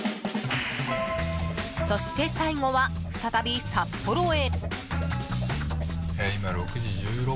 そして最後は再び札幌へ。